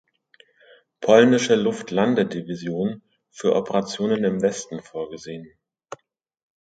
Polnische Luftlandedivision für Operationen im Westen vorgesehen.